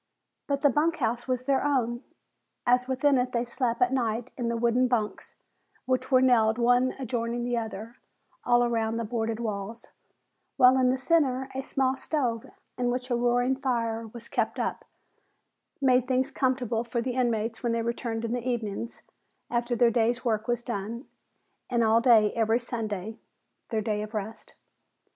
But the bunk house was their own, as within it they slept at night in the wooden "bunks", which were nailed one adjoining the other, all around the boarded walls, while in the center a small stove in which a roaring fire was kept up, made things comfortable for the inmates when they returned in the evenings after their day's work was done, and all day every Sunday their day of rest.